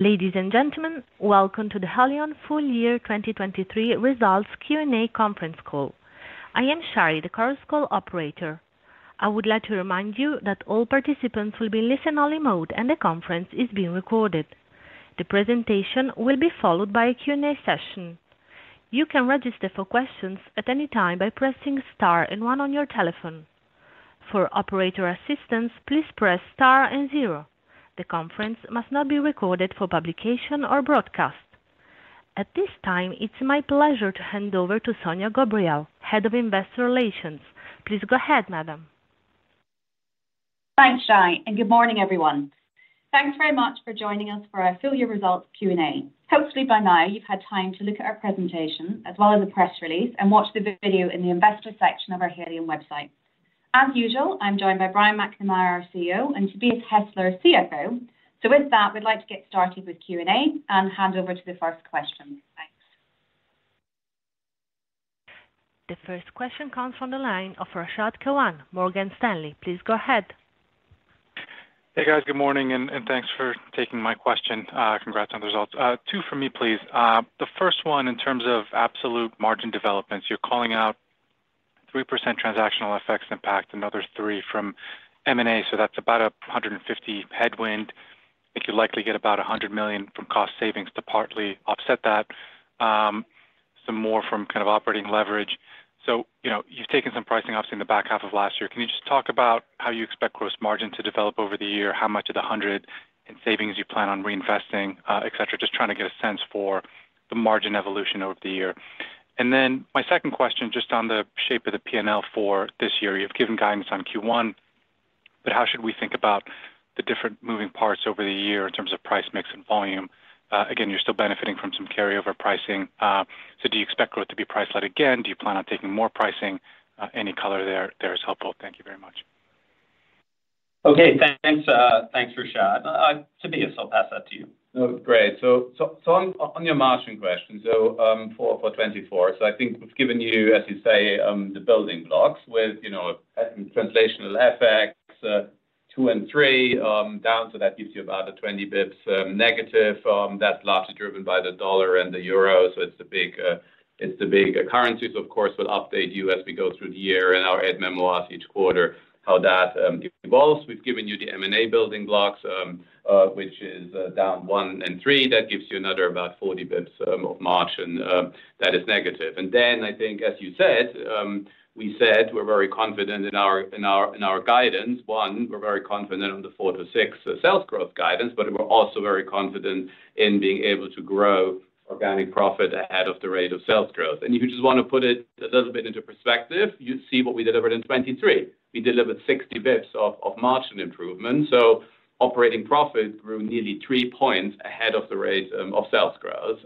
Ladies and gentlemen, welcome to the Haleon Full Year 2023 Results Q&A Conference call. I am Shari, the call's call operator. I would like to remind you that all participants will be in listen-only mode and the conference is being recorded. The presentation will be followed by a Q&A session. You can register for questions at any time by pressing star and 1 on your telephone. For operator assistance, please press star and 0. The conference must not be recorded for publication or broadcast. At this time, it's my pleasure to hand over to Sonya Ghobrial, Head of Investor Relations. Please go ahead, madam. Thanks, Shari, and good morning, everyone. Thanks very much for joining us for our Full Year Results Q&A. Hopefully by now you've had time to look at our presentation as well as a press release and watch the video in the Investor section of our Haleon website. As usual, I'm joined by Brian McNamara, our CEO, and Tobias Hestler, CFO. So with that, we'd like to get started with Q&A and hand over to the first question. Thanks. The first question comes from the line of Rashad Kawan, Morgan Stanley. Please go ahead. Hey guys, good morning, and thanks for taking my question. Congrats on the results. 2 from me, please. The first one, in terms of absolute margin developments, you're calling out 3% transactional effects impact, another 3% from M&A. So that's about 150% headwind. I think you'll likely get about 100 million from cost savings to partly offset that, some more from kind of operating leverage. So you've taken some pricing off in the back half of last year. Can you just talk about how you expect gross margin to develop over the year, how much of the 100% in savings you plan on reinvesting, etc.? Just trying to get a sense for the margin evolution over the year. Then my second question, just on the shape of the P&L for this year, you've given guidance on Q1, but how should we think about the different moving parts over the year in terms of price mix and volume? Again, you're still benefiting from some carryover pricing. So do you expect growth to be priced out again? Do you plan on taking more pricing? Any color there is helpful. Thank you very much. Okay, thanks. Thanks, Rashad. Tobias, I'll pass that to you. Great. So on your margin question, so for 2024, so I think we've given you, as you say, the building blocks with translational effects 2 and 3 down. So that gives you about a 20 bps negative. That's largely driven by the US dollar and the euro. So it's the big currencies, of course, will update you as we go through the year and our addendums each quarter, how that evolves. We've given you the M&A building blocks, which is down 1 and 3. That gives you another about 40 bps of margin. That is negative. And then I think, as you said, we said we're very confident in our guidance. One, we're very confident on the 4%-6% sales growth guidance, but we're also very confident in being able to grow organic profit ahead of the rate of sales growth. And if you just want to put it a little bit into perspective, you see what we delivered in 2023. We delivered 60 basis points of margin improvement. So operating profit grew nearly 3 points ahead of the rate of sales growth.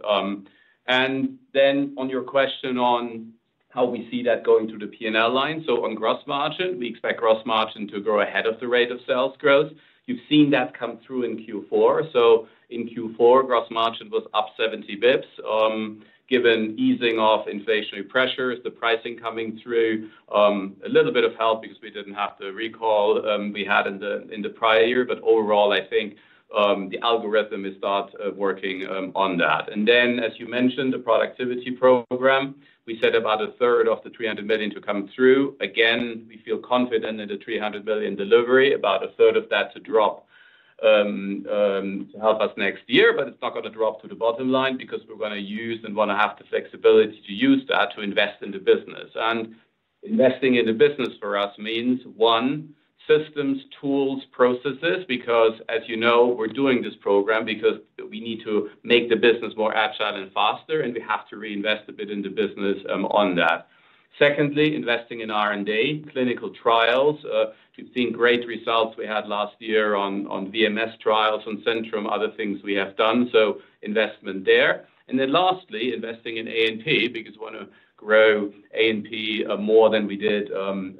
And then on your question on how we see that going through the P&L line, so on gross margin, we expect gross margin to grow ahead of the rate of sales growth. You've seen that come through in Q4. So in Q4, gross margin was up 70 basis points given easing of inflationary pressures, the pricing coming through, a little bit of help because we didn't have the recall we had in the prior year. But overall, I think the algorithm is start working on that. And then, as you mentioned, the productivity program, we set about a third of the 300 million to come through. Again, we feel confident in the 300 million delivery, about a third of that to drop to help us next year. But it's not going to drop to the bottom line because we're going to use and want to have the flexibility to use that to invest in the business. And investing in the business for us means, one, systems, tools, processes, because, as you know, we're doing this program because we need to make the business more agile and faster, and we have to reinvest a bit in the business on that. Secondly, investing in R&D, clinical trials. You've seen great results we had last year on VMS trials, on Centrum, other things we have done. So investment there. And then lastly, investing in A&P because we want to grow A&P more than we did in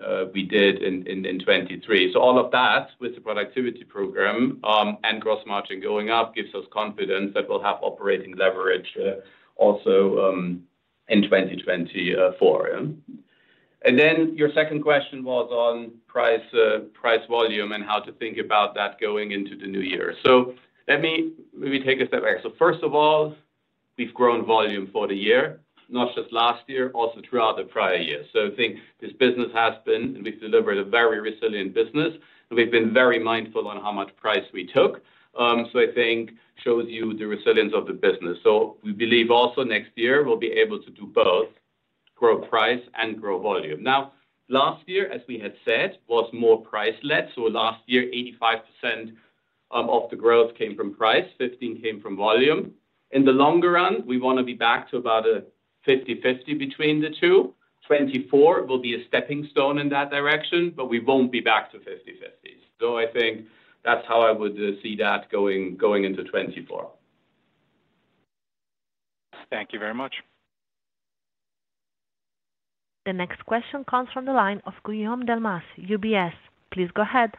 2023. So all of that with the productivity program and gross margin going up gives us confidence that we'll have operating leverage also in 2024. And then your second question was on price volume and how to think about that going into the new year. So let me maybe take a step back. So first of all, we've grown volume for the year, not just last year, also throughout the prior year. So I think this business has been, and we've delivered a very resilient business, and we've been very mindful on how much price we took. So I think shows you the resilience of the business. So we believe also next year we'll be able to do both, grow price and grow volume. Now, last year, as we had said, was more price-led. So last year, 85% of the growth came from price, 15% came from volume. In the longer run, we want to be back to about a 50/50 between the two. 2024 will be a stepping stone in that direction, but we won't be back to 50/50. So I think that's how I would see that going into 2024. Thank you very much. The next question comes from the line of Guillaume Delmas, UBS. Please go ahead.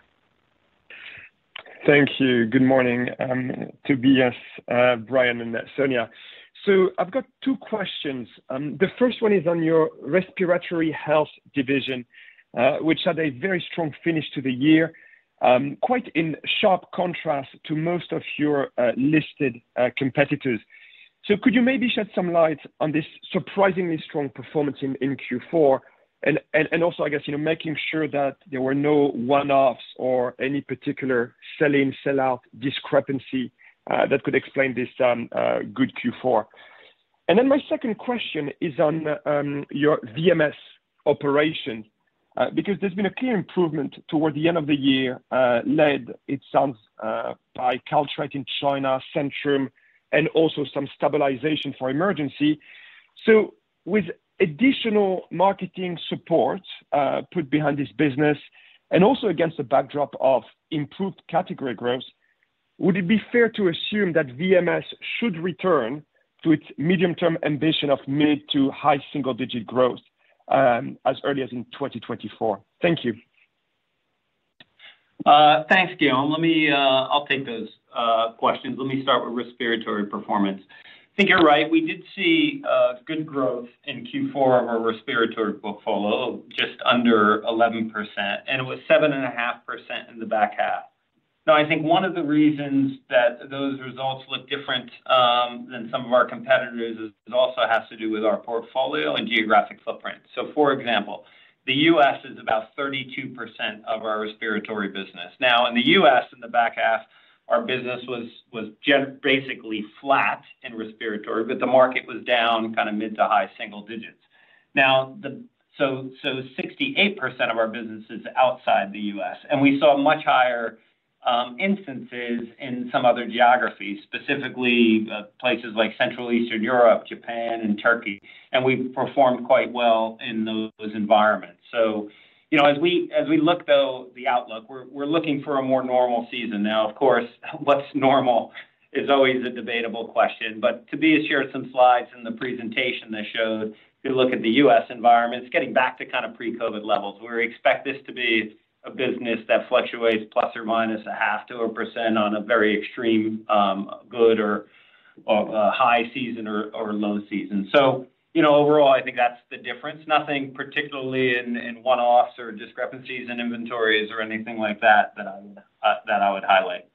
Thank you. Good morning, Tobias, Brian, and Sonya. So I've got two questions. The first one is on your respiratory health division, which had a very strong finish to the year, quite in sharp contrast to most of your listed competitors. So could you maybe shed some light on this surprisingly strong performance in Q4 and also, I guess, making sure that there were no one-offs or any particular sell-in, sell-out discrepancy that could explain this good Q4? And then my second question is on your VMS operations because there's been a clear improvement toward the end of the year, led, it sounds, by Caltrate in China, Centrum, and also some stabilization for Emergen-C. With additional marketing support put behind this business and also against the backdrop of improved category growth, would it be fair to assume that VMS should return to its medium-term ambition of mid- to high single-digit growth as early as in 2024? Thank you. Thanks, Guillaume. I'll take those questions. Let me start with respiratory performance. I think you're right. We did see good growth in Q4 of our respiratory portfolio, just under 11%, and it was 7.5% in the back half. Now, I think one of the reasons that those results look different than some of our competitors also has to do with our portfolio and geographic footprint. So for example, the U.S. is about 32% of our respiratory business. Now, in the U.S., in the back half, our business was basically flat in respiratory, but the market was down kind of mid to high single digits. Now, so 68% of our business is outside the U.S., and we saw much higher instances in some other geographies, specifically places like Central Eastern Europe, Japan, and Turkey. And we performed quite well in those environments. So as we look, though, at the outlook, we're looking for a more normal season. Now, of course, what's normal is always a debatable question. But Tobias shared some slides in the presentation that showed if you look at the U.S. environment, it's getting back to kind of pre-COVID levels. We expect this to be a business that fluctuates plus or minus 0.5%-1% on a very extreme good or high season or low season. So overall, I think that's the difference. Nothing particularly in one-offs or discrepancies in inventories or anything like that that I would highlight.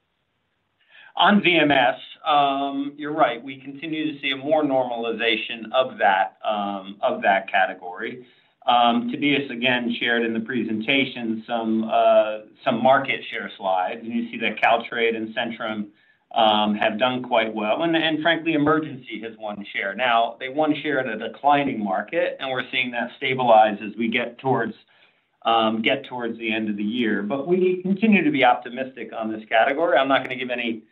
On VMS, you're right. We continue to see a more normalization of that category. Tobias, again, shared in the presentation some market share slides. And you see that Caltrate and Centrum have done quite well. And frankly, Emergen-C has won the share. Now, they won the share in a declining market, and we're seeing that stabilize as we get towards the end of the year. But we continue to be optimistic on this category. I'm not going to give any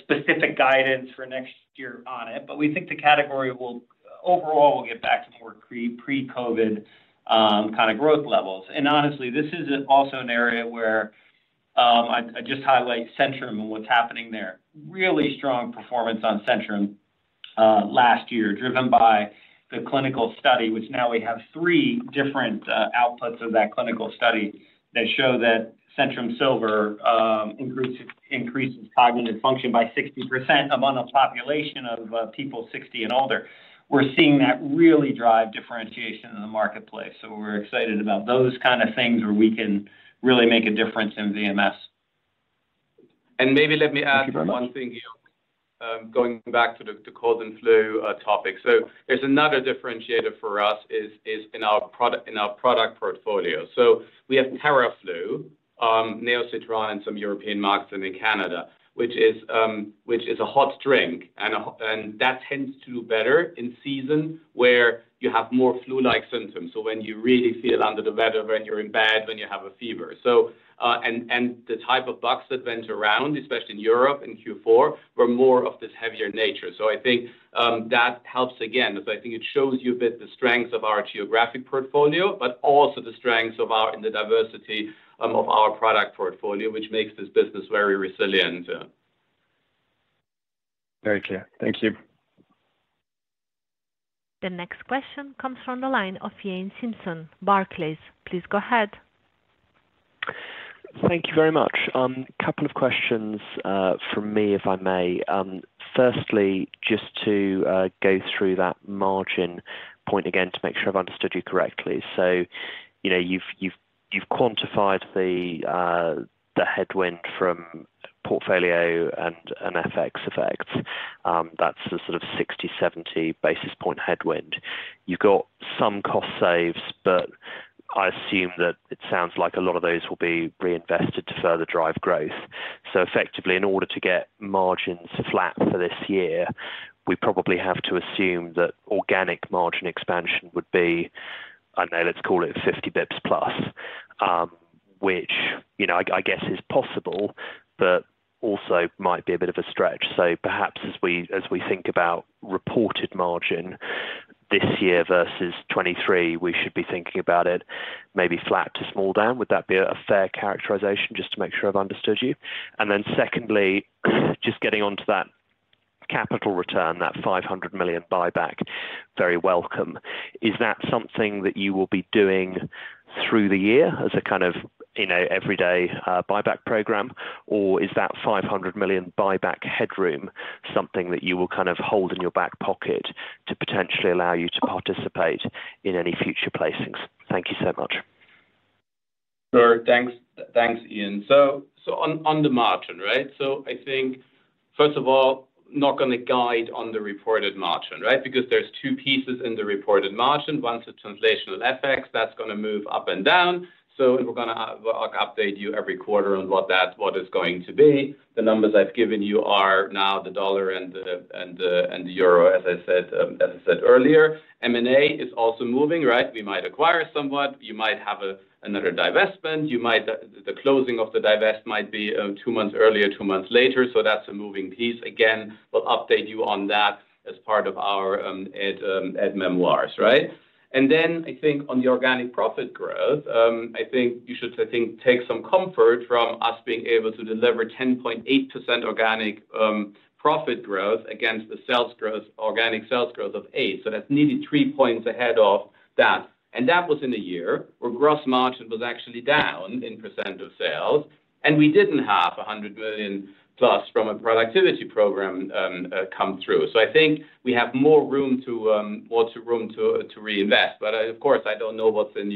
specific guidance for next year on it, but we think the category will overall get back to more pre-COVID kind of growth levels. Honestly, this is also an area where I'd just highlight Centrum and what's happening there. Really strong performance on Centrum last year, driven by the clinical study, which now we have three different outputs of that clinical study that show that Centrum Silver increases cognitive function by 60% among a population of people 60 and older. We're seeing that really drive differentiation in the marketplace. We're excited about those kind of things where we can really make a difference in VMS. Maybe let me add one thing, Guillaume, going back to the cold and flu topic. So there's another differentiator for us is in our product portfolio. So we have Theraflu, NeoCitran, and some European markets in Canada, which is a hot drink. And that tends to do better in season where you have more flu-like symptoms, so when you really feel under the weather, when you're in bed, when you have a fever. And the type of bugs that went around, especially in Europe in Q4, were more of this heavier nature. So I think that helps, again, because I think it shows you a bit the strengths of our geographic portfolio, but also the strengths in the diversity of our product portfolio, which makes this business very resilient. Very clear. Thank you. The next question comes from the line of Iain Simpson. Barclays, please go ahead. Thank you very much. A couple of questions from me, if I may. Firstly, just to go through that margin point again to make sure I've understood you correctly. So you've quantified the headwind from portfolio and FX effects. That's the sort of 60-70 basis points headwind. You've got some cost saves, but I assume that it sounds like a lot of those will be reinvested to further drive growth. So effectively, in order to get margins flat for this year, we probably have to assume that organic margin expansion would be, I know let's call it 50 basis points+, which I guess is possible, but also might be a bit of a stretch. So perhaps as we think about reported margin this year versus 2023, we should be thinking about it maybe flat to small down. Would that be a fair characterization just to make sure I've understood you? And then secondly, just getting onto that capital return, that 500 million buyback, very welcome. Is that something that you will be doing through the year as a kind of everyday buyback program, or is that 500 million buyback headroom something that you will kind of hold in your back pocket to potentially allow you to participate in any future placings? Thank you so much. Sure. Thanks, Iain. So on the margin, right? So I think, first of all, knock on the guide on the reported margin, right? Because there are two pieces in the reported margin. One's the translational effects. That's going to move up and down. So we're going to update you every quarter on what is going to be. The numbers I've given you are now the dollar and the euro, as I said earlier. M&A is also moving, right? We might acquire something. You might have another divestment. The closing of the divestment might be two months earlier, two months later. So that's a moving piece. Again, we'll update you on that as part of our addendums, right? And then I think on the organic profit growth, I think you should, I think, take some comfort from us being able to deliver 10.8% organic profit growth against the organic sales growth of 8%. So that's nearly three points ahead of that. And that was in a year where gross margin was actually down in percent of sales. And we didn't have 100 million plus from a productivity program come through. So I think we have more room to reinvest. But of course, I don't know what's in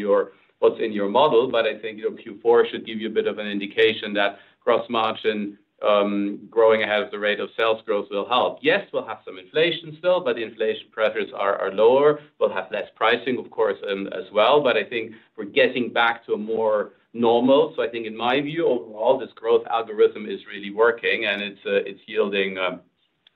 your model, but I think Q4 should give you a bit of an indication that gross margin growing ahead of the rate of sales growth will help. Yes, we'll have some inflation still, but the inflation pressures are lower. We'll have less pricing, of course, as well. But I think we're getting back to a more normal. I think in my view, overall, this growth algorithm is really working, and it's yielding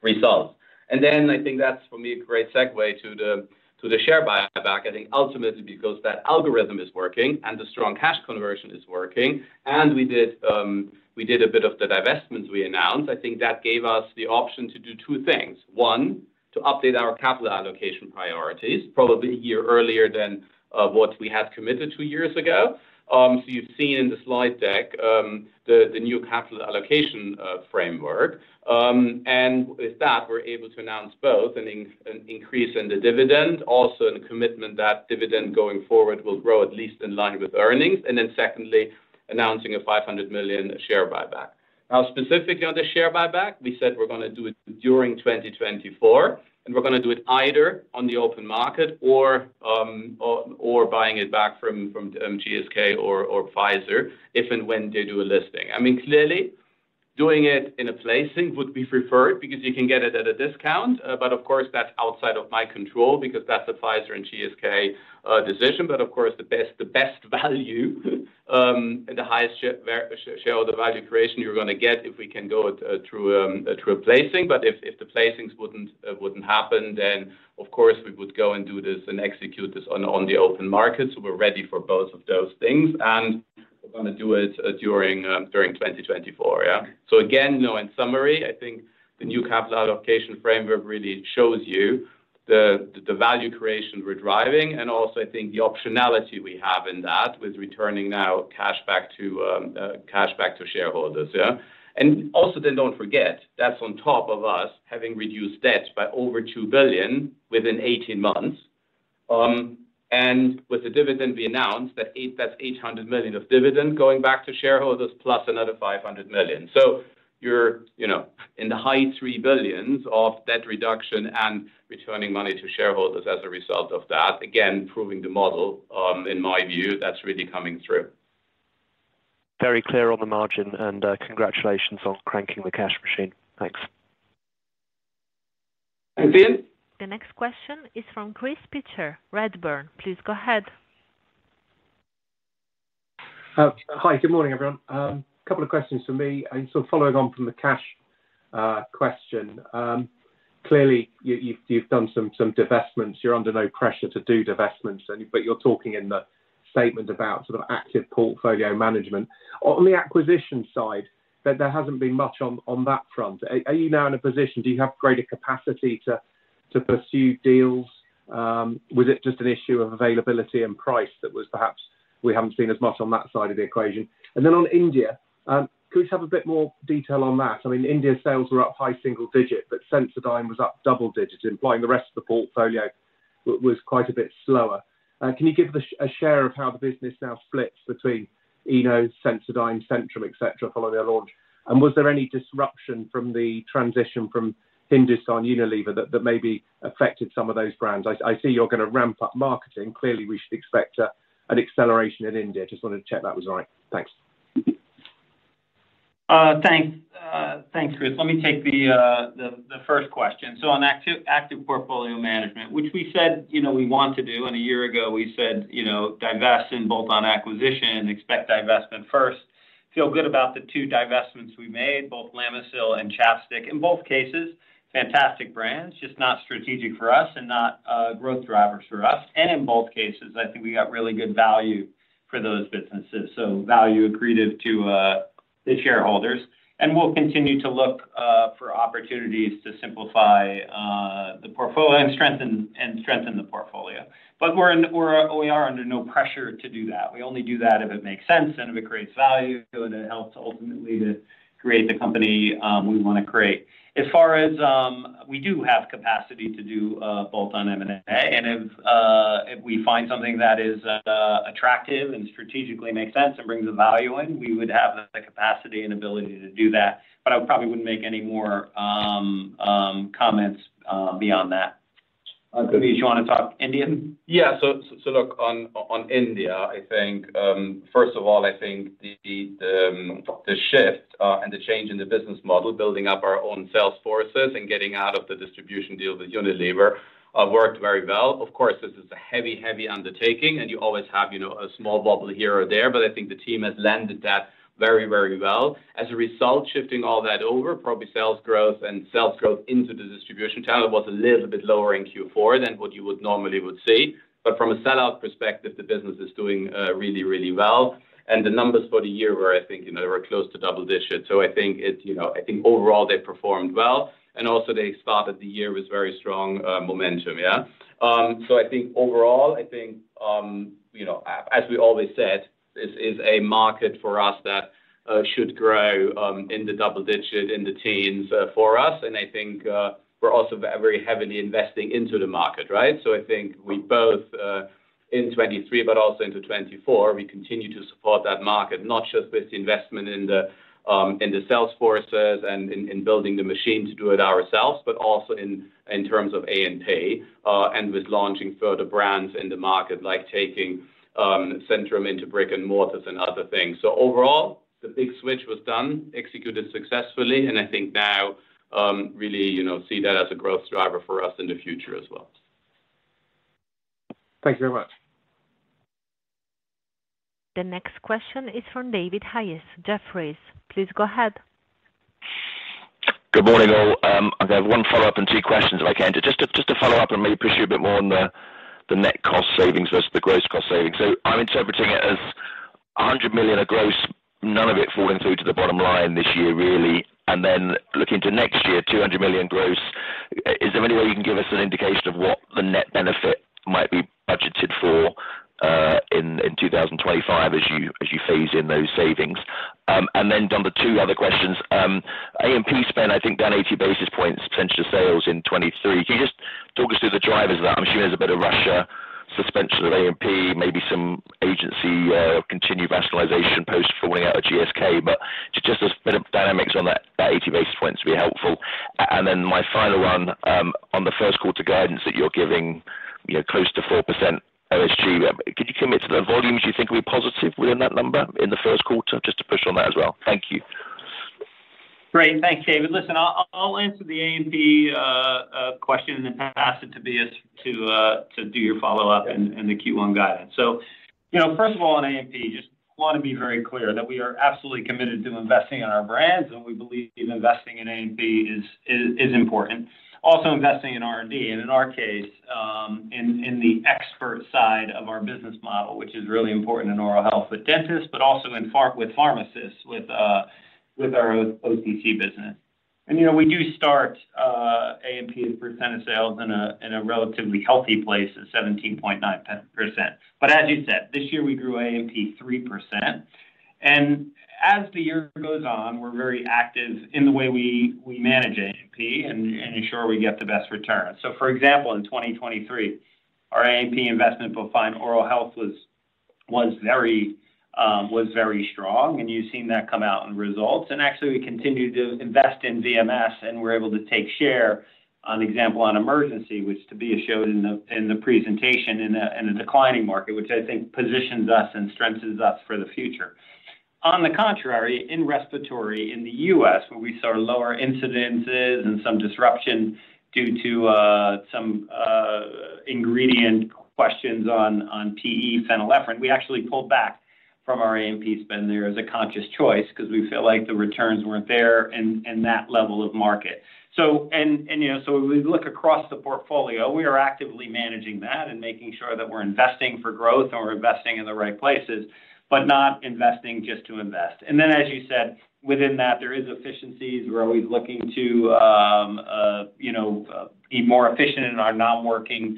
results. Then I think that's, for me, a great segue to the share buyback. I think ultimately, because that algorithm is working and the strong cash conversion is working, and we did a bit of the divestments we announced, I think that gave us the option to do two things. One, to update our capital allocation priorities, probably a year earlier than what we had committed two years ago. You've seen in the slide deck the new capital allocation framework. With that, we're able to announce both an increase in the dividend, also a commitment that dividend going forward will grow at least in line with earnings. Secondly, announcing a 500 million share buyback. Now, specifically on the share buyback, we said we're going to do it during 2024, and we're going to do it either on the open market or buying it back from GSK or Pfizer if and when they do a listing. I mean, clearly, doing it in a placing would be preferred because you can get it at a discount. But of course, that's outside of my control because that's a Pfizer and GSK decision. But of course, the best value and the highest shareholder value creation you're going to get if we can go through a placing. But if the placings wouldn't happen, then of course, we would go and do this and execute this on the open market. So we're ready for both of those things. And we're going to do it during 2024, yeah? So again, in summary, I think the new capital allocation framework really shows you the value creation we're driving. And also, I think the optionality we have in that with returning now cash back to shareholders, yeah? And also then don't forget, that's on top of us having reduced debt by over 2 billion within 18 months. And with the dividend, we announced that that's 800 million of dividend going back to shareholders plus another 500 million. So you're in the high 3 billion of debt reduction and returning money to shareholders as a result of that. Again, proving the model, in my view, that's really coming through. Very clear on the margin. Congratulations on cranking the cash machine. Thanks. Thanks, Iain. The next question is from Chris Pitcher, Redburn. Please go ahead. Hi. Good morning, everyone. A couple of questions for me. I'm sort of following on from the cash question. Clearly, you've done some divestments. You're under no pressure to do divestments, but you're talking in the statement about sort of active portfolio management. On the acquisition side, there hasn't been much on that front. Are you now in a position? Do you have greater capacity to pursue deals? Was it just an issue of availability and price that perhaps we haven't seen as much on that side of the equation? And then on India, could we just have a bit more detail on that? I mean, India's sales were up high single digit, but Sensodyne was up double digit, implying the rest of the portfolio was quite a bit slower. Can you give a share of how the business now splits between ENO, Sensodyne, Centrum, etc., following their launch? Was there any disruption from the transition from Hindustan Unilever that maybe affected some of those brands? I see you're going to ramp up marketing. Clearly, we should expect an acceleration in India. Just wanted to check that was right. Thanks. Thanks, Chris. Let me take the first question. So on active portfolio management, which we said we want to do, and a year ago, we said divest and bolt-on acquisition, expect divestment first. Feel good about the two divestments we made, both Lamisil and ChapStick. In both cases, fantastic brands, just not strategic for us and not growth drivers for us. And in both cases, I think we got really good value for those businesses, so value accretive to the shareholders. And we'll continue to look for opportunities to simplify the portfolio and strengthen the portfolio. But we are under no pressure to do that. We only do that if it makes sense and if it creates value and it helps ultimately to create the company we want to create. As far as we do have capacity to do Bolt-on M&A, and if we find something that is attractive and strategically makes sense and brings a value in, we would have the capacity and ability to do that. But I probably wouldn't make any more comments beyond that. Tobias, you want to talk Indian? Yeah. So look, on India, I think first of all, I think the shift and the change in the business model, building up our own sales forces and getting out of the distribution deal with Unilever worked very well. Of course, this is a heavy, heavy undertaking, and you always have a small bubble here or there. But I think the team has landed that very, very well. As a result, shifting all that over, probably sales growth and sales growth into the distribution channel was a little bit lower in Q4 than what you normally would see. But from a sellout perspective, the business is doing really, really well. And the numbers for the year were, I think, they were close to double digit. So I think overall, they performed well. And also, they started the year with very strong momentum, yeah? So I think overall, I think, as we always said, this is a market for us that should grow in the double-digit, in the teens for us. I think we're also very heavily investing into the market, right? I think we both, in 2023, but also into 2024, we continue to support that market, not just with the investment in the sales forces and in building the machine to do it ourselves, but also in terms of A&P and with launching further brands in the market, like taking Centrum into brick and mortar and other things. Overall, the big switch was done, executed successfully. I think now really see that as a growth driver for us in the future as well. Thank you very much. The next question is from David Hayes. Jefferies, please go ahead. Good morning, all. I have one follow-up and two questions if I can. Just to follow up and maybe push you a bit more on the net cost savings versus the gross cost savings. So I'm interpreting it as 100 million of gross, none of it falling through to the bottom line this year, really. And then looking to next year, 200 million gross. Is there any way you can give us an indication of what the net benefit might be budgeted for in 2025 as you phase in those savings? And then on the two other questions, A&P spent, I think, down 80 basis points potentially to sales in 2023. Can you just talk us through the drivers of that? I'm assuming there's a bit of Russia suspension of A&P, maybe some agency continued rationalization post falling out of GSK. Just a bit of dynamics on that 80 basis points would be helpful. Then my final one, on the first quarter guidance that you're giving, close to 4% OSG. Could you commit to the volumes you think will be positive within that number in the first quarter? Just to push on that as well. Thank you. Great. Thanks, David. Listen, I'll answer the A&P question and then pass it to Tobias to do your follow-up and the Q1 guidance. So first of all, on A&P, just want to be very clear that we are absolutely committed to investing in our brands, and we believe investing in A&P is important, also investing in R&D. And in our case, in the expert side of our business model, which is really important in oral health with dentists, but also with pharmacists, with our OTC business. And we do start A&P's percent of sales in a relatively healthy place at 17.9%. But as you said, this year, we grew A&P 3%. And as the year goes on, we're very active in the way we manage A&P and ensure we get the best return. So for example, in 2023, our A&P investment profile in oral health was very strong. You've seen that come out in results. And actually, we continue to invest in VMS, and we're able to take share, for example, on Emergen-C, which Tobias showed in the presentation, in a declining market, which I think positions us and strengthens us for the future. On the contrary, in respiratory, in the U.S., where we saw lower incidences and some disruption due to some ingredient questions on PE, phenylephrine, we actually pulled back from our A&P spend. There is a conscious choice because we feel like the returns weren't there in that level of market. And so when we look across the portfolio, we are actively managing that and making sure that we're investing for growth and we're investing in the right places, but not investing just to invest. And then, as you said, within that, there are efficiencies. We're always looking to be more efficient in our non-working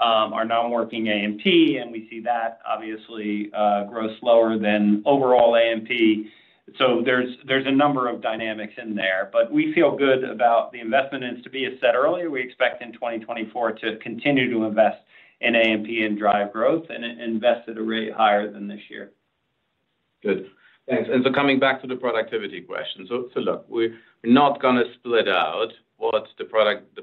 A&P. We see that, obviously, grows slower than overall A&P. There's a number of dynamics in there. But we feel good about the investment, as Tobias said earlier. We expect in 2024 to continue to invest in A&P and drive growth and invest at a rate higher than this year. Good. Thanks. And so coming back to the productivity question. So look, we're not going to split out what the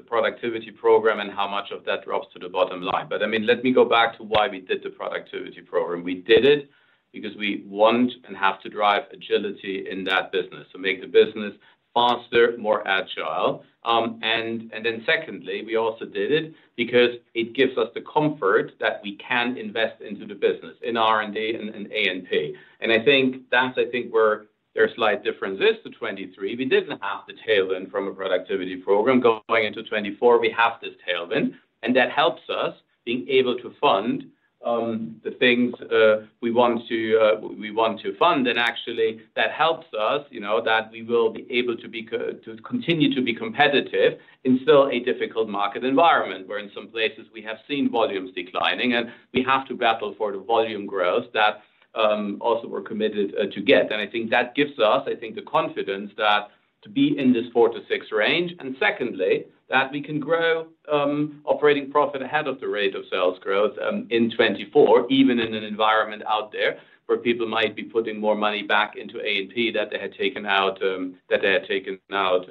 productivity program and how much of that drops to the bottom line. But I mean, let me go back to why we did the productivity program. We did it because we want and have to drive agility in that business, so make the business faster, more agile. And then secondly, we also did it because it gives us the comfort that we can invest into the business, in R&D and A&P. And I think that's, I think, where there are slight differences. To 2023, we didn't have the tailwind from a productivity program. Going into 2024, we have this tailwind. And that helps us being able to fund the things we want to fund. Actually, that helps us that we will be able to continue to be competitive in still a difficult market environment where, in some places, we have seen volumes declining, and we have to battle for the volume growth that also we're committed to get. And I think that gives us, I think, the confidence that to be in this 4-6 range, and secondly, that we can grow operating profit ahead of the rate of sales growth in 2024, even in an environment out there where people might be putting more money back into A&P that they had taken out that they had taken out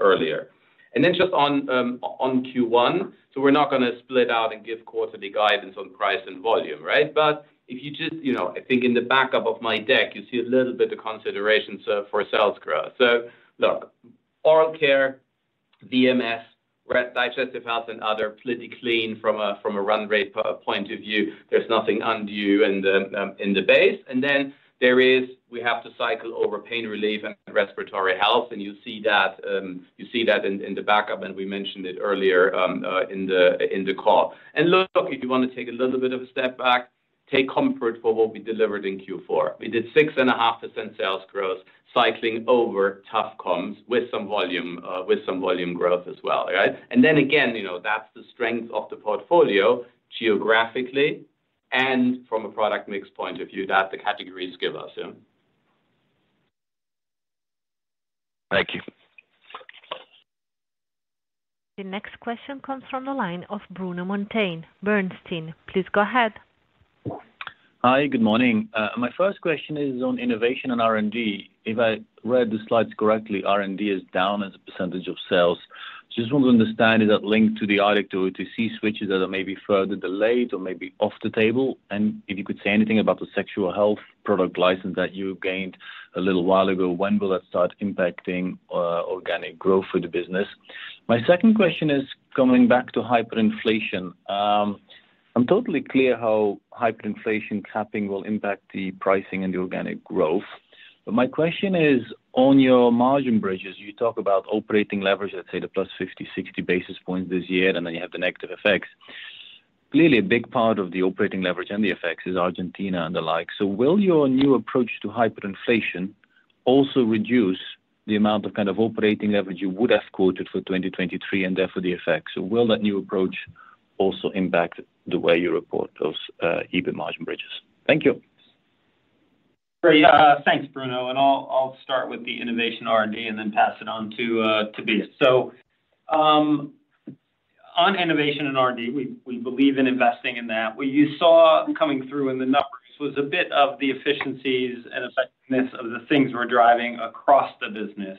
earlier. And then just on Q1, so we're not going to split out and give quarterly guidance on price and volume, right? But if you just, I think, in the backup of my deck, you see a little bit of considerations for sales growth. So look, oral care, VMS, digestive health, and other, pretty clean from a run rate point of view. There's nothing undue in the base. And then there is we have to cycle over pain relief and respiratory health. And you see that in the backup, and we mentioned it earlier in the call. And look, if you want to take a little bit of a step back, take comfort for what we delivered in Q4. We did 6.5% sales growth cycling over tough comps with some volume growth as well, right? And then again, that's the strength of the portfolio geographically and from a product mix point of view that the categories give us, yeah? Thank you. The next question comes from the line of Bruno Monteyne. Bernstein, please go ahead. Hi. Good morning. My first question is on innovation and R&D. If I read the slides correctly, R&D is down as a percentage of sales. Just want to understand, is that linked to the audit or OTC switches that are maybe further delayed or maybe off the table? And if you could say anything about the sexual health product license that you gained a little while ago, when will that start impacting organic growth for the business? My second question is coming back to hyperinflation. I'm totally clear how hyperinflation capping will impact the pricing and the organic growth. But my question is, on your margin bridges, you talk about operating leverage, let's say, the +50-60 basis points this year, and then you have the negative effects. Clearly, a big part of the operating leverage and the effects is Argentina and the like. Will your new approach to hyperinflation also reduce the amount of kind of operating leverage you would have quoted for 2023 and therefore the effects? Will that new approach also impact the way you report those EBIT margin bridges? Thank you. Great. Thanks, Bruno. And I'll start with the innovation R&D and then pass it on to Tobias. So on innovation and R&D, we believe in investing in that. What you saw coming through in the numbers was a bit of the efficiencies and effectiveness of the things we're driving across the business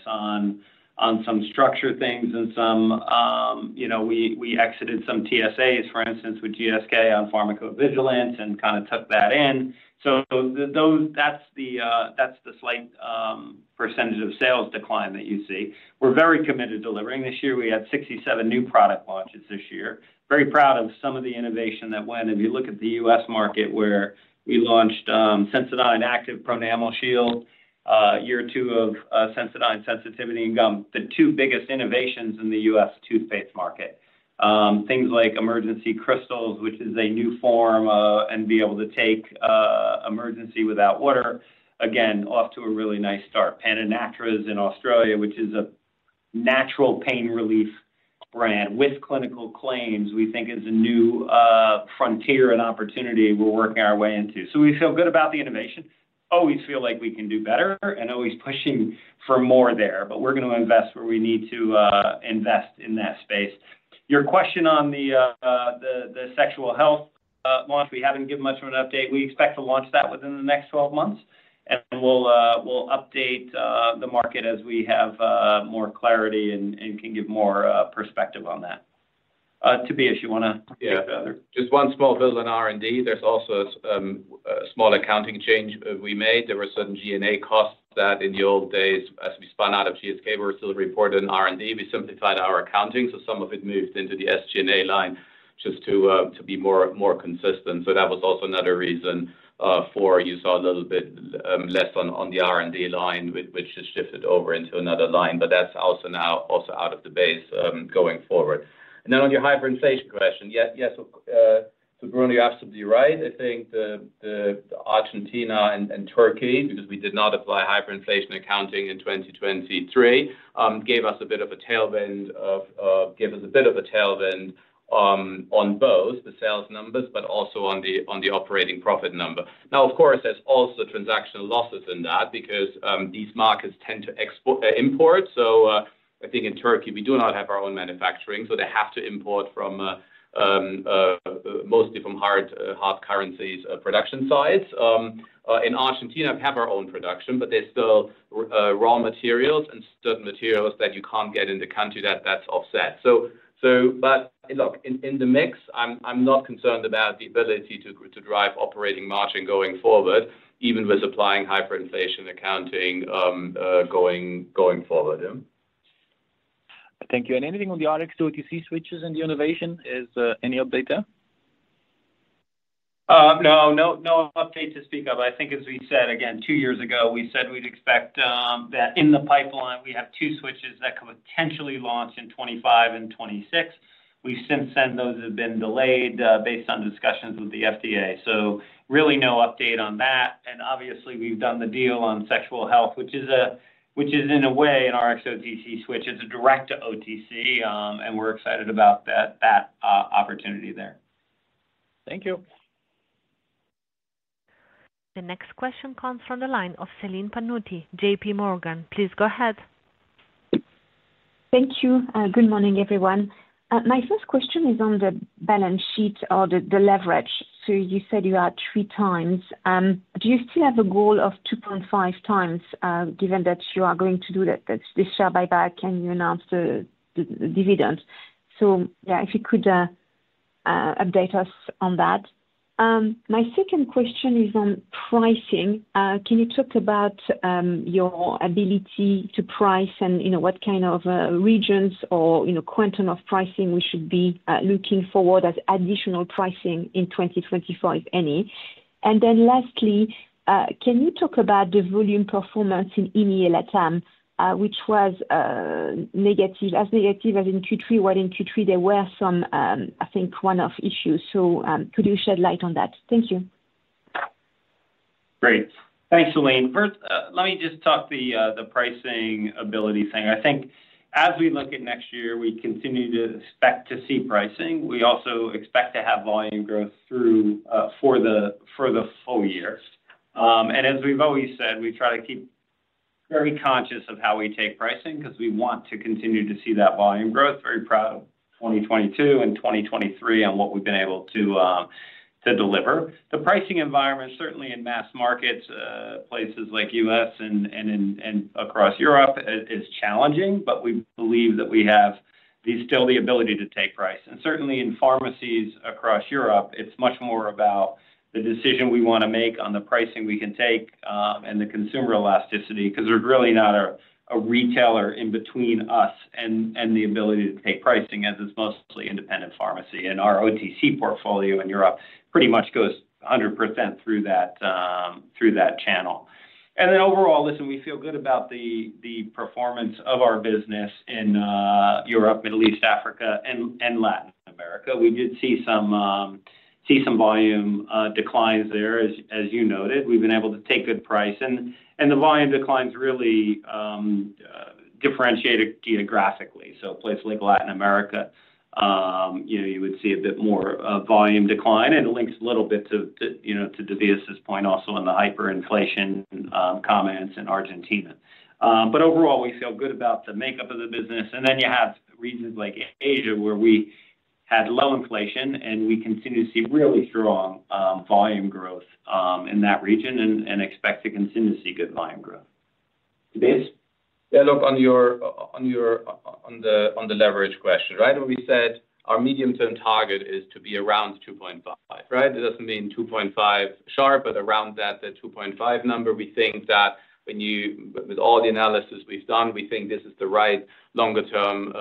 on some structure things and some we exited some TSAs, for instance, with GSK on pharmacovigilance and kind of took that in. So that's the slight percentage of sales decline that you see. We're very committed delivering this year. We had 67 new product launches this year. Very proud of some of the innovation that went. If you look at the U.S. market where we launched Sensodyne Pronamel Active Shield, year two of Sensodyne Sensitivity and Gum, the two biggest innovations in the U.S. toothpaste market, things like Emergen-C Crystals, which is a new form and be able to take Emergen-C without water, again, off to a really nice start. Panadol Naturals in Australia, which is a natural pain relief brand with clinical claims, we think is a new frontier and opportunity we're working our way into. So we feel good about the innovation. Always feel like we can do better and always pushing for more there. But we're going to invest where we need to invest in that space. Your question on the sexual health launch, we haven't given much of an update. We expect to launch that within the next 12 months. We'll update the market as we have more clarity and can give more perspective on that. Tobias, you want to take the other? Yeah. Just one small bill in R&D. There's also a small accounting change we made. There were certain G&A costs that in the old days, as we spun out of GSK, we were still reporting R&D. We simplified our accounting. So some of it moved into the SG&A line just to be more consistent. So that was also another reason for you saw a little bit less on the R&D line, which has shifted over into another line. But that's also now also out of the base going forward. And then on your hyperinflation question, yes. So Bruno, you're absolutely right. I think the Argentina and Turkey, because we did not apply hyperinflation accounting in 2023, gave us a bit of a tailwind on both, the sales numbers, but also on the operating profit number. Now, of course, there's also transactional losses in that because these markets tend to import. So I think in Turkey, we do not have our own manufacturing. So they have to import mostly from hard currency production sites. In Argentina, we have our own production, but there's still raw materials and certain materials that you can't get in the country that that's offset. But look, in the mix, I'm not concerned about the ability to drive operating margin going forward, even with applying hyperinflation accounting going forward, yeah? Thank you. And anything on the Rx to OTC switches and the innovation? Is any update there? No. No update to speak of. I think, as we said, again, two years ago, we said we'd expect that in the pipeline, we have two switches that could potentially launch in 2025 and 2026. We've since said those have been delayed based on discussions with the FDA. So really, no update on that. Obviously, we've done the deal on sexual health, which is, in a way, an Rx-to-OTC switch. It's a direct-to-OTC. And we're excited about that opportunity there. Thank you. The next question comes from the line of Celine Pannuti, JP Morgan. Please go ahead. Thank you. Good morning, everyone. My first question is on the balance sheet or the leverage. So you said you are 3 times. Do you still have a goal of 2.5 times given that you are going to do this share buyback and you announced the dividend? So yeah, if you could update us on that. My second question is on pricing. Can you talk about your ability to price and what kind of regions or quantum of pricing we should be looking forward as additional pricing in 2024, if any? And then lastly, can you talk about the volume performance in EMEA/LATAM, which was as negative as in Q3, while in Q3, there were some, I think, one-off issues. So could you shed light on that? Thank you. Great. Thanks, Celine. First, let me just talk the pricing ability thing. I think as we look at next year, we continue to expect to see pricing. We also expect to have volume growth for the full year. And as we've always said, we try to keep very conscious of how we take pricing because we want to continue to see that volume growth. Very proud of 2022 and 2023 on what we've been able to deliver. The pricing environment, certainly in mass markets, places like U.S. and across Europe, is challenging. But we believe that we have still the ability to take price. And certainly, in pharmacies across Europe, it's much more about the decision we want to make on the pricing we can take and the consumer elasticity because there's really not a retailer in between us and the ability to take pricing as it's mostly independent pharmacy. And our OTC portfolio in Europe pretty much goes 100% through that channel. And then overall, listen, we feel good about the performance of our business in Europe, Middle East Africa, and Latin America. We did see some volume declines there, as you noted. We've been able to take good price. And the volume declines really differentiate geographically. So a place like Latin America, you would see a bit more volume decline. And it links a little bit to Tobias's point also in the hyperinflation comments in Argentina. But overall, we feel good about the makeup of the business. And then you have regions like Asia where we had low inflation, and we continue to see really strong volume growth in that region and expect to continue to see good volume growth. Tobias? Yeah. Look, on the leverage question, right, when we said our medium-term target is to be around 2.5, right? It doesn't mean 2.5 sharp, but around that, the 2.5 number, we think that with all the analysis we've done, we think this is the right longer-term,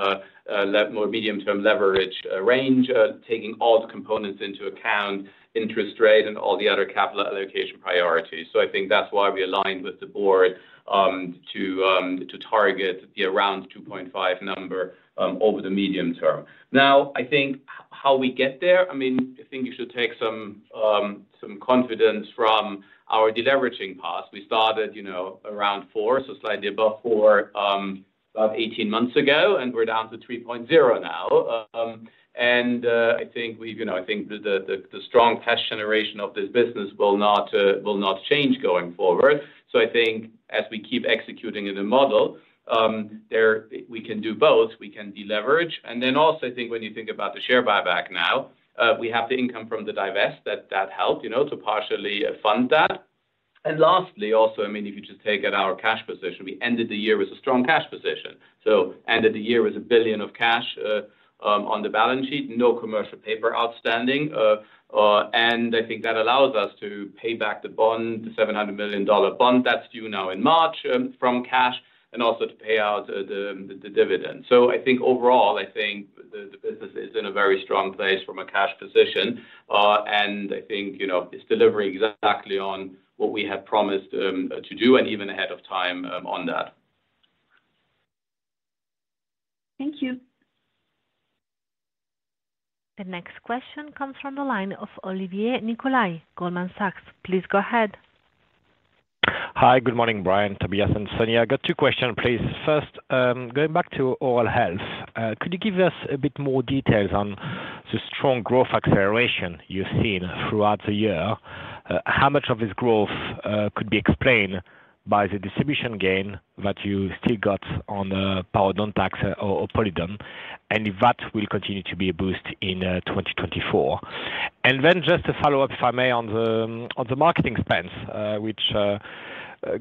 more medium-term leverage range, taking all the components into account, interest rate, and all the other capital allocation priorities. So I think that's why we aligned with the board to target the around 2.5 number over the medium term. Now, I think how we get there, I mean, I think you should take some confidence from our deleveraging past. We started around 4, so slightly above 4, about 18 months ago, and we're down to 3.0 now. And I think the strong cash generation of this business will not change going forward. So I think as we keep executing in the model, we can do both. We can deleverage. And then also, I think when you think about the share buyback now, we have the income from the divest that helped to partially fund that. And lastly, also, I mean, if you just take at our cash position, we ended the year with a strong cash position. So ended the year with 1 billion of cash on the balance sheet, no commercial paper outstanding. And I think that allows us to pay back the bond, the $700 million bond that's due now in March from cash, and also to pay out the dividend. So I think overall, I think the business is in a very strong place from a cash position. And I think it's delivering exactly on what we had promised to do and even ahead of time on that. Thank you. The next question comes from the line of Olivier Nicolai, Goldman Sachs. Please go ahead. Hi. Good morning, Brian, Tobias, and Sonia. I've got two questions, please. First, going back to oral health, could you give us a bit more details on the strong growth acceleration you've seen throughout the year? How much of this growth could be explained by the distribution gain that you still got on Parodontax or Polident, and if that will continue to be a boost in 2024? And then just a follow-up, if I may, on the marketing spends, which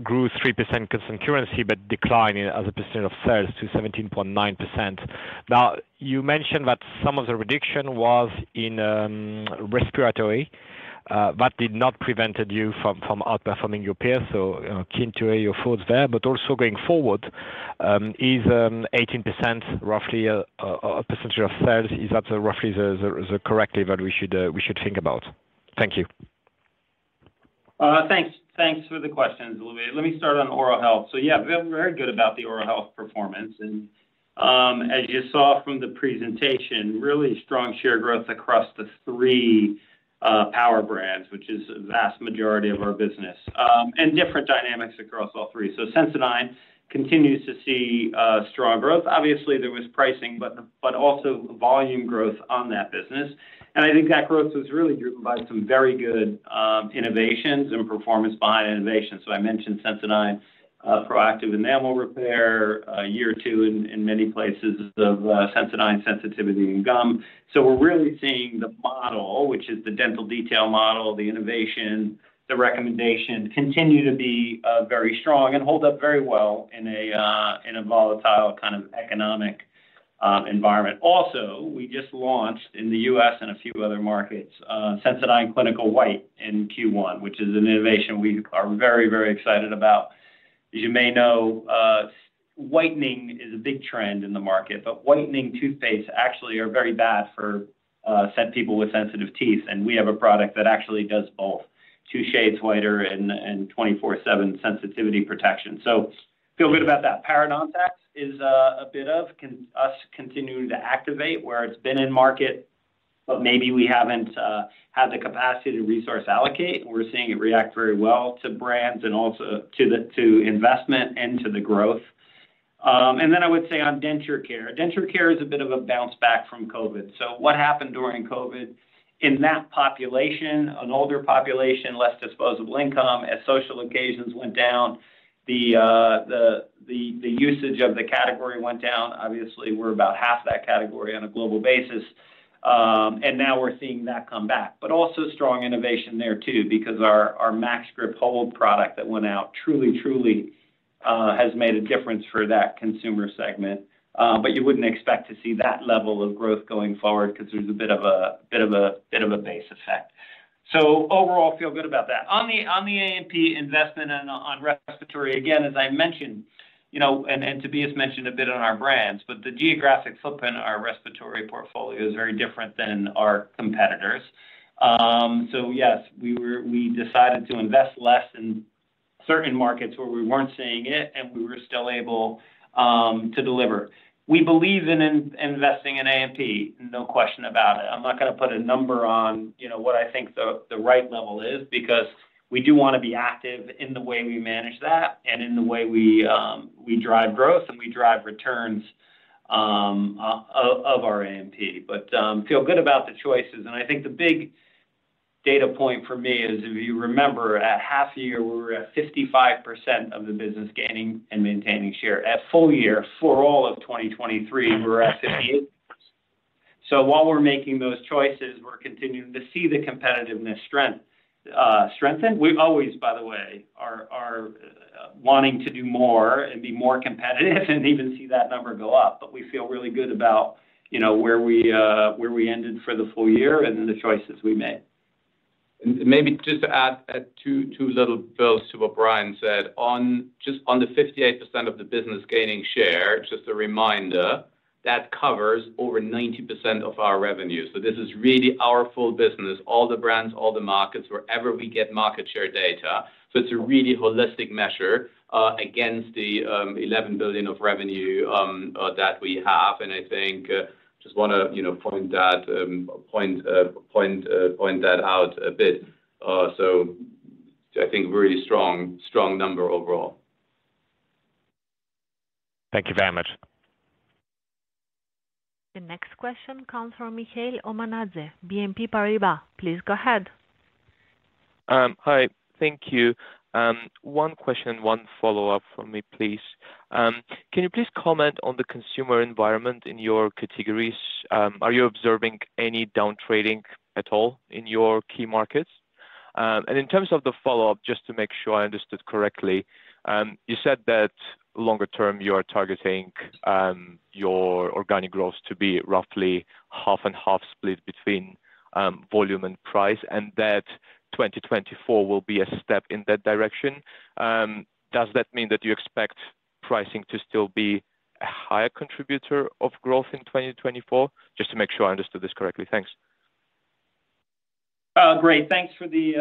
grew 3% consumer currency but declined as a percentage of sales to 17.9%. Now, you mentioned that some of the reduction was in respiratory. That did not prevent you from outperforming your peers, so keen to hear your thoughts there. But also going forward, is 18% roughly a percentage of sales, is that roughly the correct level we should think about? Thank you. Thanks. Thanks for the questions, Olivier. Let me start on oral health. So yeah, we're very good about the oral health performance. And as you saw from the presentation, really strong share growth across the three power brands, which is a vast majority of our business, and different dynamics across all three. So Sensodyne continues to see strong growth. Obviously, there was pricing, but also volume growth on that business. And I think that growth was really driven by some very good innovations and performance behind innovation. So I mentioned Sensodyne proactive enamel repair, year two in many places of Sensodyne Sensitivity and Gum. So we're really seeing the model, which is the dental detail model, the innovation, the recommendation, continue to be very strong and hold up very well in a volatile kind of economic environment. Also, we just launched in the U.S. and a few other markets, Sensodyne Clinical White in Q1, which is an innovation we are very, very excited about. As you may know, whitening is a big trend in the market. But whitening toothpastes actually are very bad for people with sensitive teeth. And we have a product that actually does both, two shades whiter and 24/7 sensitivity protection. So feel good about that. Parodontax is a bit of us continue to activate where it's been in market, but maybe we haven't had the capacity to resource allocate. We're seeing it react very well to brands and also to investment and to the growth. And then I would say on denture care, denture care is a bit of a bounce back from COVID. So what happened during COVID in that population, an older population, less disposable income, as social occasions went down, the usage of the category went down. Obviously, we're about half that category on a global basis. And now we're seeing that come back. But also strong innovation there too because our MaxGrip Hold product that went out truly, truly has made a difference for that consumer segment. But you wouldn't expect to see that level of growth going forward because there's a base effect. So overall, feel good about that. On the A&P investment and on respiratory, again, as I mentioned, and Tobias mentioned a bit on our brands, but the geographic footprint of our respiratory portfolio is very different than our competitors. So yes, we decided to invest less in certain markets where we weren't seeing it, and we were still able to deliver. We believe in investing in A&P, no question about it. I'm not going to put a number on what I think the right level is because we do want to be active in the way we manage that and in the way we drive growth and we drive returns of our A&P. But feel good about the choices. And I think the big data point for me is, if you remember, at half a year, we were at 55% of the business gaining and maintaining share. At full year, for all of 2023, we were at 58%. So while we're making those choices, we're continuing to see the competitiveness strengthen. We always, by the way, are wanting to do more and be more competitive and even see that number go up. But we feel really good about where we ended for the full year and the choices we made. And maybe just to add two little builds to what Brian said, just on the 58% of the business gaining share, just a reminder, that covers over 90% of our revenue. So this is really our full business, all the brands, all the markets, wherever we get market share data. So it's a really holistic measure against the 11 billion of revenue that we have. And I think just want to point that out a bit. So I think really strong number overall. Thank you very much. The next question comes from Mikheil Omanadze, BNP Paribas. Please go ahead. Hi. Thank you. One question and one follow-up from me, please. Can you please comment on the consumer environment in your categories? Are you observing any downtrading at all in your key markets? In terms of the follow-up, just to make sure I understood correctly, you said that longer term, you are targeting your organic growth to be roughly half-and-half split between volume and price and that 2024 will be a step in that direction. Does that mean that you expect pricing to still be a higher contributor of growth in 2024? Just to make sure I understood this correctly. Thanks. Great. Thanks for the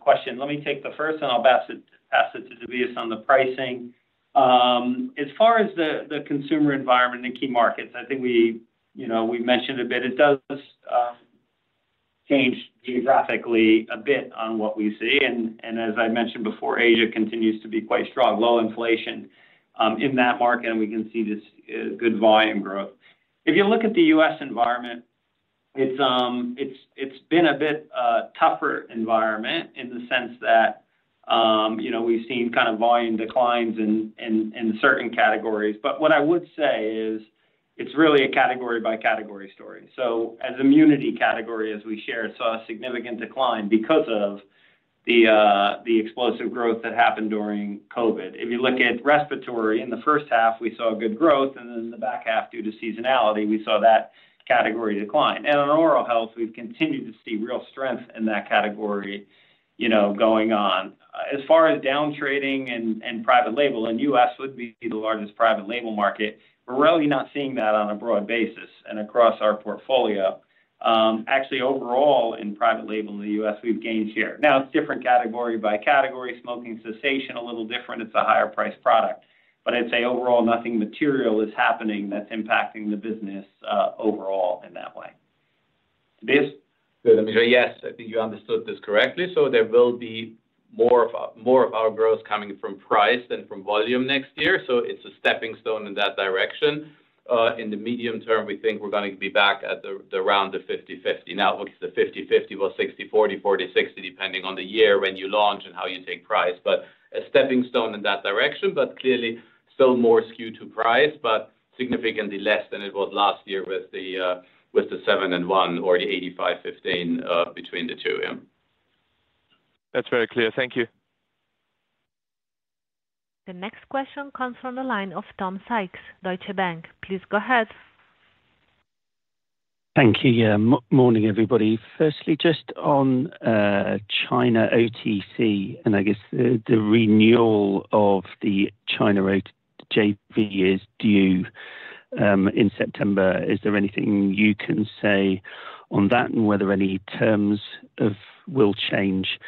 question. Let me take the first, and I'll pass it to Tobias on the pricing. As far as the consumer environment in key markets, I think we've mentioned a bit. It does change geographically a bit on what we see. And as I mentioned before, Asia continues to be quite strong, low inflation in that market, and we can see good volume growth. If you look at the U.S. environment, it's been a bit tougher environment in the sense that we've seen kind of volume declines in certain categories. But what I would say is it's really a category-by-category story. So as immunity category, as we share, saw a significant decline because of the explosive growth that happened during COVID. If you look at respiratory, in the first half, we saw good growth. Then in the back half, due to seasonality, we saw that category decline. On oral health, we've continued to see real strength in that category going on. As far as downtrading and private label, and U.S. would be the largest private label market, we're really not seeing that on a broad basis and across our portfolio. Actually, overall, in private label in the U.S., we've gained share. Now, it's different category by category. Smoking cessation, a little different. It's a higher-priced product. But I'd say overall, nothing material is happening that's impacting the business overall in that way. Tobias? Good. I mean, so yes, I think you understood this correctly. So there will be more of our growth coming from price than from volume next year. So it's a stepping stone in that direction. In the medium term, we think we're going to be back at around the 50/50. Now, it's the 50/50, what's 60/40, 40/60, depending on the year, when you launch and how you take price, but a stepping stone in that direction, but clearly still more skewed to price, but significantly less than it was last year with the 7 and 1 or the 85/15 between the two. That's very clear. Thank you. The next question comes from the line of Tom Sykes, Deutsche Bank. Please go ahead. Thank you. Morning, everybody. Firstly, just on China OTC, and I guess the renewal of the China JV is due in September. Is there anything you can say on that and whether any terms will change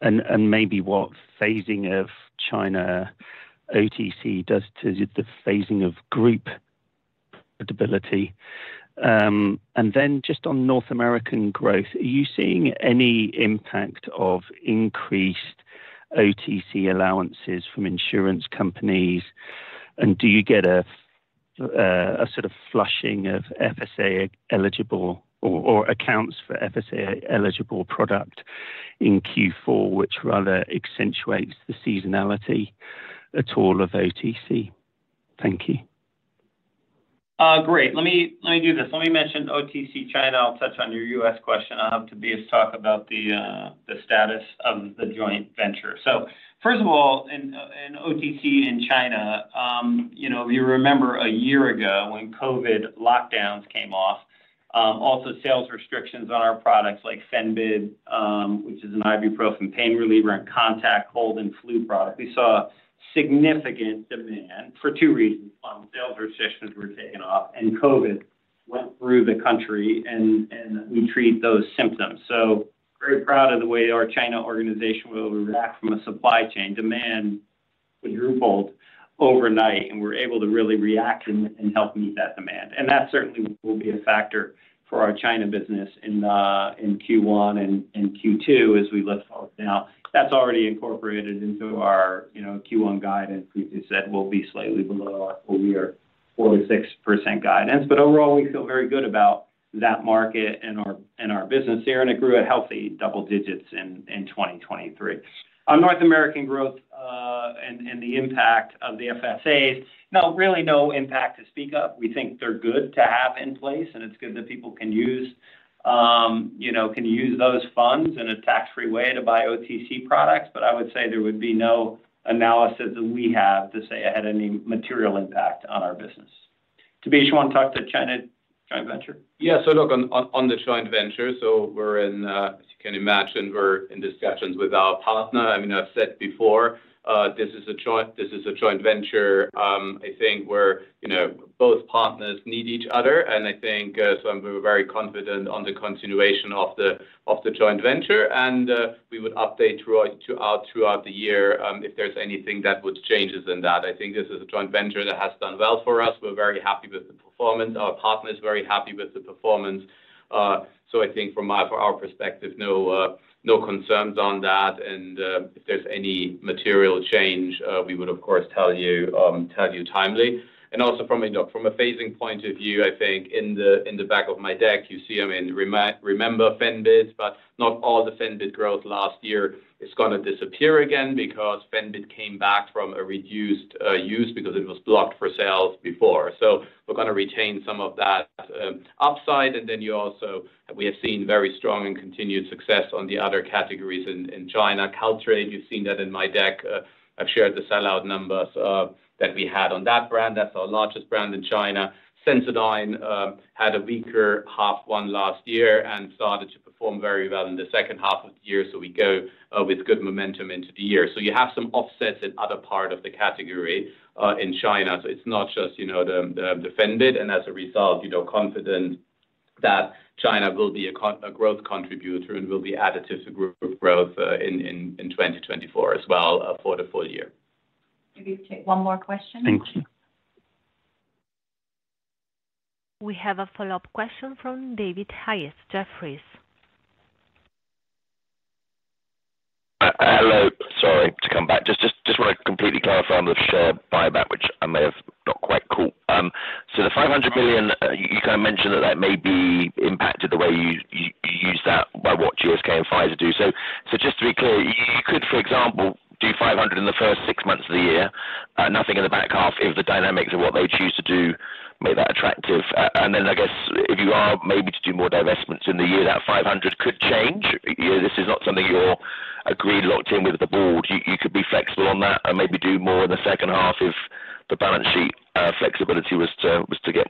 and maybe what phasing of China OTC does to the phasing of group ability? And then just on North American growth, are you seeing any impact of increased OTC allowances from insurance companies? And do you get a sort of flushing of FSA-eligible or accounts for FSA-eligible product in Q4, which rather accentuates the seasonality at all of OTC? Thank you. Great. Let me do this. Let me mention OTC China. I'll touch on your US question. I'll have Tobias talk about the status of the joint venture. So first of all, in OTC in China, if you remember a year ago when COVID lockdowns came off, also sales restrictions on our products like Fenbid, which is an ibuprofen pain reliever and Contac cold and flu product, we saw significant demand for two reasons. One, sales restrictions were taken off, and COVID went through the country, and we treat those symptoms. So very proud of the way our China organization will react from a supply chain. Demand would drop overnight, and we're able to really react and help meet that demand. And that certainly will be a factor for our China business in Q1 and Q2 as we look forward now. That's already incorporated into our Q1 guidance, which we said will be slightly below our full year, 4%-6% guidance. But overall, we feel very good about that market and our business here, and it grew at healthy double digits in 2023. On North American growth and the impact of the FSAs, no, really no impact to speak of. We think they're good to have in place, and it's good that people can use those funds in a tax-free way to buy OTC products. But I would say there would be no analysis that we have to say it had any material impact on our business. Tobias, you want to talk to China joint venture? Yeah. So look, on the joint venture, so as you can imagine, we're in discussions with our partner. I mean, I've said before, this is a joint venture, I think, where both partners need each other. And I think so we're very confident on the continuation of the joint venture. And we would update throughout the year if there's anything that changes in that. I think this is a joint venture that has done well for us. We're very happy with the performance. Our partner is very happy with the performance. So I think from our perspective, no concerns on that. And if there's any material change, we would, of course, tell you timely. And also from a phasing point of view, I think in the back of my deck, you see them in remember Fenbid, but not all the Fenbid growth last year is going to disappear again because Fenbid came back from a reduced use because it was blocked for sales before. So we're going to retain some of that upside. And then we have seen very strong and continued success on the other categories in China. Caltrate, you've seen that in my deck. I've shared the sellout numbers that we had on that brand. That's our largest brand in China. Sensodyne had a weaker half-one last year and started to perform very well in the second half of the year. So we go with good momentum into the year. So you have some offsets in other parts of the category in China. So it's not just the Fenbid. As a result, confident that China will be a growth contributor and will be additive to group growth in 2024 as well for the full year. Maybe take one more question. Thank you. We have a follow-up question from David Hayes, Jefferies. Hello. Sorry to come back. Just want to completely clarify on the share buyback, which I may have not quite caught. So the 500 million, you kind of mentioned that that may be impacted the way you use that by what GSK and Pfizer do. So just to be clear, you could, for example, do 500 in the first six months of the year, nothing in the back half if the dynamics of what they choose to do make that attractive. And then I guess if you are maybe to do more divestments in the year, that 500 could change. This is not something you're agreed locked in with the board. You could be flexible on that and maybe do more in the second half if the balance sheet flexibility was to get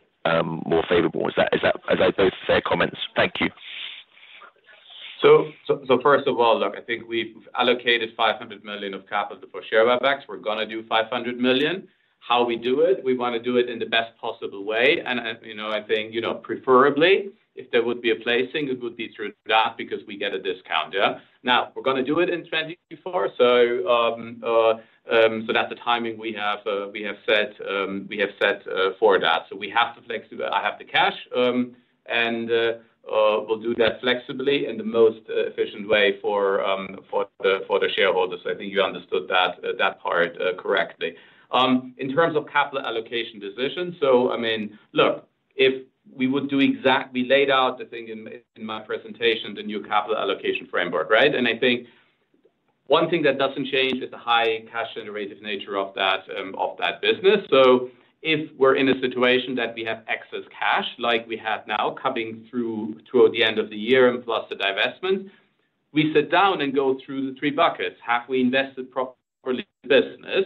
more favorable. Are those fair comments? Thank you. So first of all, look, I think we've allocated 500 million of capital for share buybacks. We're going to do 500 million. How we do it, we want to do it in the best possible way. And I think preferably, if there would be a placing, it would be through that because we get a discount. Now, we're going to do it in 2024, so that's the timing we have set. We have set for that. So we have to flex. I have the cash, and we'll do that flexibly in the most efficient way for the shareholders. So I think you understood that part correctly. In terms of capital allocation decisions, so I mean, look, if we would do exactly laid out, I think, in my presentation, the new capital allocation framework, right? And I think one thing that doesn't change is the high cash-generative nature of that business. So if we're in a situation that we have excess cash like we have now coming through toward the end of the year and plus the divestments, we sit down and go through the three buckets. Have we invested properly in the business?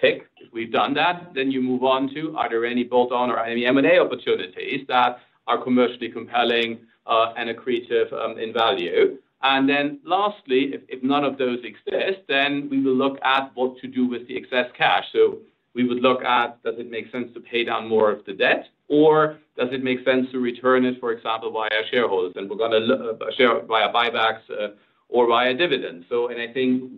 Tick. If we've done that, then you move on to are there any bolt-on or any M&A opportunities that are commercially compelling and accretive in value? And then lastly, if none of those exist, then we will look at what to do with the excess cash. So we would look at does it make sense to pay down more of the debt, or does it make sense to return it, for example, via shareholders? And we're going to share via buybacks or via dividends. I think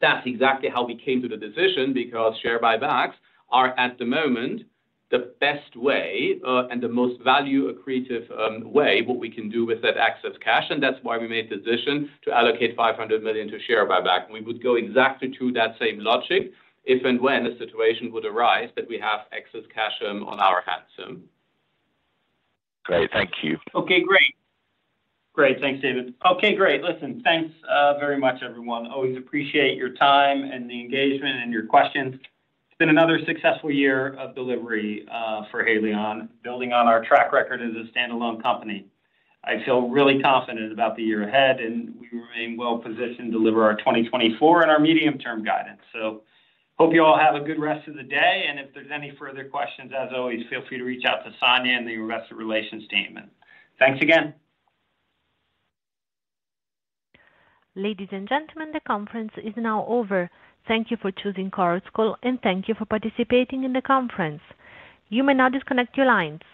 that's exactly how we came to the decision because share buybacks are at the moment the best way and the most value-accretive way what we can do with that excess cash. That's why we made the decision to allocate 500 million to share buyback. We would go exactly to that same logic if and when a situation would arise that we have excess cash on our hands. Great. Thank you. Okay. Great. Great. Thanks, David. Okay. Great. Listen, thanks very much, everyone. Always appreciate your time and the engagement and your questions. It's been another successful year of delivery for Haleon, building on our track record as a standalone company. I feel really confident about the year ahead, and we remain well-positioned to deliver our 2024 and our medium-term guidance. So, hope you all have a good rest of the day. And if there's any further questions, as always, feel free to reach out to Sonya in the investor relations team. And thanks again. Ladies and gentlemen, the conference is now over. Thank you for choosing Chorus Call, and thank you for participating in the conference. You may now disconnect your lines.